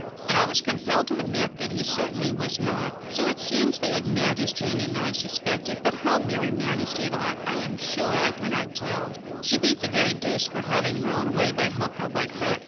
And I was compelled to admit that he certainly was not. So it seems they had met, as Jane and I suspected, but how Mary managed it I am sure I cannot tell; she beat the very deuce for having her own way, by hook or by crook.